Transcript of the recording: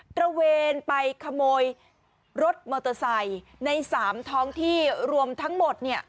ระเวนไปขโมยรถมอเตอร์ไซค์ใน๓ท้องที่รวมทั้งหมดเนี่ย